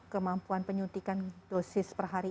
kemampuan penyuntikan dosis per hari